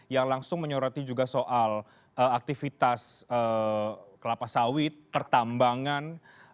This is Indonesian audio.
yang langsung menyoroti juga soal aktivitas kelapa sawit pertambangan